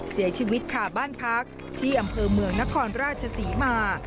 เสียชีวิตค่ะบ้านพักที่อำเภอเมืองนครราชศรีมา